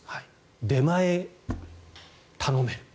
出前を頼める。